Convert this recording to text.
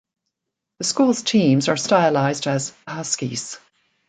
The school's teams are stylized as the Huskies.